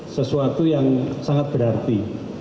sesuatu yang sangat berarti